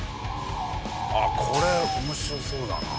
あっこれ面白そうだな。